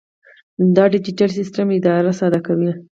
دا ډیجیټل سیسټم اداره ساده کوي.